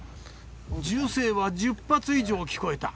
銃声は１０発以上聞こえた。